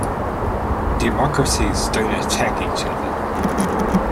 Democracies don't attack each other.